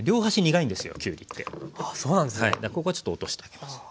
ここはちょっと落としてあげます。